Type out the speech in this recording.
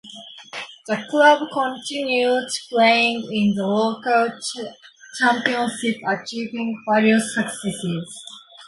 The club continued playing in the local championships achieving various successes.